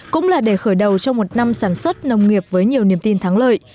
cũng là để khởi đầu cho một năm sản xuất nông nghiệp với nhiều niềm tin thắng lợi